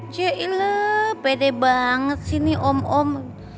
cek ilah pede banget sih nih om om